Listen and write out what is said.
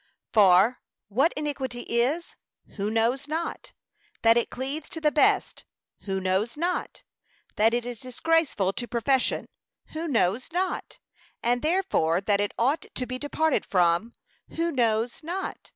For, What iniquity is, who knows not? That it cleaves to the best, who knows not? That it is disgraceful to profession, who knows not? and therefore that it ought to be departed from, who knows not?